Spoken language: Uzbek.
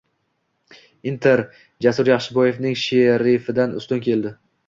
“Inter” Jasur Yaxshiboyevning “Sherif”idan ustun keldi